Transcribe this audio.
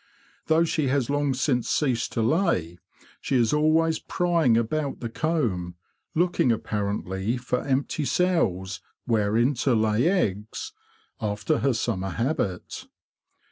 Though she has long since ceased to lay, she is always prying about the comb, looking apparently for empty cells wherein to lay eggs, after her summer habit.